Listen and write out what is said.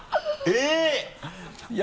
えっ！